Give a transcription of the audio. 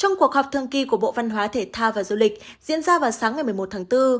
trong cuộc họp thường kỳ của bộ văn hóa thể thao và du lịch diễn ra vào sáng ngày một mươi một tháng bốn